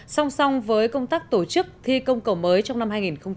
song song với công tác tổ chức thi công cầu mới trong năm hai nghìn một mươi tám